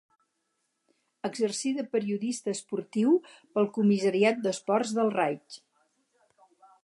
Exercí de periodista esportiu pel Comissariat d'Esports del Reich.